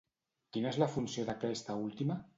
Quina és la funció d'aquesta última?